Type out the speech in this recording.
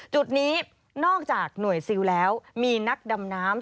จุดนี้นอกจากหน่วยซิลแล้วมีนักดำน้ำ